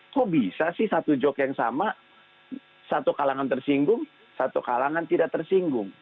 kok bisa sih satu joke yang sama satu kalangan tersinggung satu kalangan tidak tersinggung